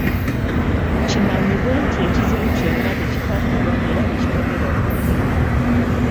Kimanyibwe nti ekizibu kyonna tekipapirwa era tekitomerwa butomerwa.